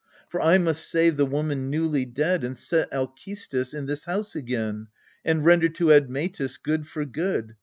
For I must save the woman newly dead, And set Alcestis in this house again, And render to Admetus good for good.